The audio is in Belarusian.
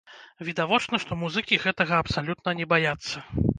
Відавочна, што музыкі гэтага абсалютна не баяцца.